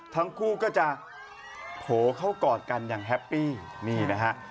ทั้งคู่ก็จะโผล่เข้ากอดกันอย่างแฮปปี้นี่นะฮะ